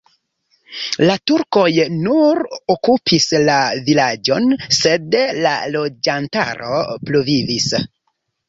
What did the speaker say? La turkoj nur okupis la vilaĝon, sed la loĝantaro pluvivis.